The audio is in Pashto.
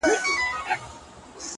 • ټوله وركه يې؛